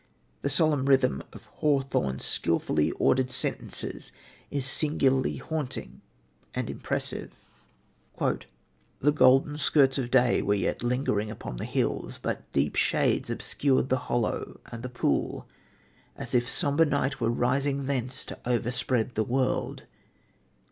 The solemn rhythm of Hawthorne's skilfully ordered sentences is singularly haunting and impressive: "The golden skirts of day were yet lingering upon the hills, but deep shades obscured the hollow and the pool, as if sombre night were rising thence to overspread the world.